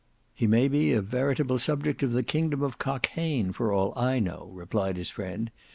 "He may be a veritable subject of the kingdom of Cockaigne, for aught I know," replied his friend.